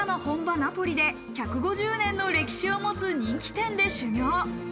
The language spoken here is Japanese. ナポリで１５０年の歴史を持つ人気店で修業。